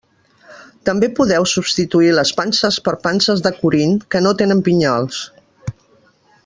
També podeu substituir les panses per panses de Corint, que no tenen pinyols.